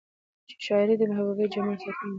چې شاعري د محبوبې د جمال ستاينه ده